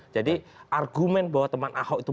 jadi argumen bahwa teman ahok itu